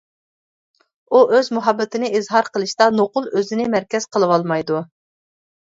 ئۇ ئۆز مۇھەببىتىنى ئىزھار قىلىشتا نوقۇل ئۆزىنى مەركەز قىلىۋالمايدۇ.